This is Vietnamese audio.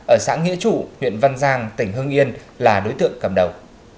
ở xã nghĩa chủ huyện văn giang tỉnh hương yên là đối tượng cầm đầu